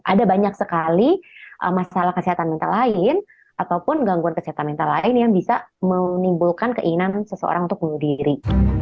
ada banyak sekali masalah kesehatan mental lain ataupun gangguan kesehatan mental lain yang bisa menimbulkan keinginan seseorang untuk bunuh diri